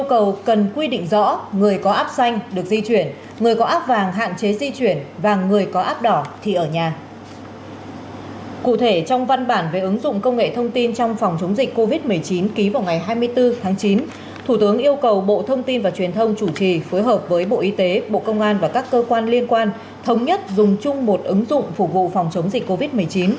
công nghệ thông tin trong phòng chống dịch covid một mươi chín ký vào ngày hai mươi bốn tháng chín thủ tướng yêu cầu bộ thông tin và truyền thông chủ trì phối hợp với bộ y tế bộ công an và các cơ quan liên quan thống nhất dùng chung một ứng dụng phục vụ phòng chống dịch covid một mươi chín